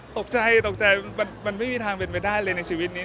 ตกใจตกใจมันไม่มีทางเป็นไปได้เลยในชีวิตนี้